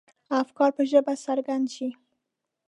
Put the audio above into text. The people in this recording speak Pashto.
افکار په ژبه څرګند شي.